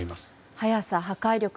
速さ、破壊力。